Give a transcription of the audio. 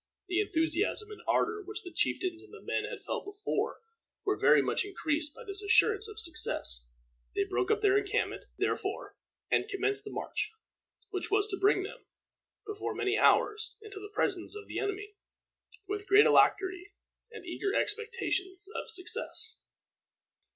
The enthusiasm and ardor which the chieftains and the men had felt before were very much increased by this assurance of success. They broke up their encampment, therefore, and commenced the march, which was to bring them, before many hours, into the presence of the enemy, with great alacrity and eager expectations of success.